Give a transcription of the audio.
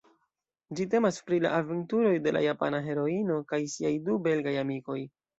Ĝi temas pri la aventuroj de la Japana heroino kaj siaj du belgaj amikoj.